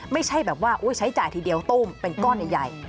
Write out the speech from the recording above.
ไม่ใช่แบบว่าใช้จ่ายทีเดียวตุ้มเป็นก้อนใหญ่